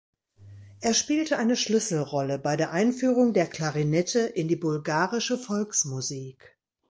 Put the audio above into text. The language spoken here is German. Er spielte eine Schlüsselrolle bei der Einführung der Klarinette in die bulgarische Volksmusik.